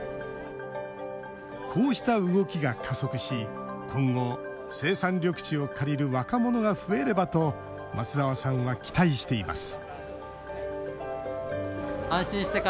こうした動きが加速し今後、生産緑地を借りる若者が増えればと松澤さんは期待しています